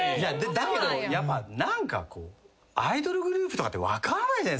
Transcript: だけどやっぱ何かこうアイドルグループとかって分からないじゃないですか。